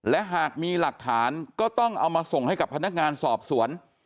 และหากมีหลักฐานก็ต้องเอามาส่งให้กับพนักงานสอบสวน